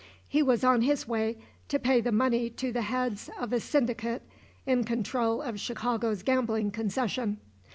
He was on his way to pay the money to the heads of a syndicate in control of Chicago's gambling concession.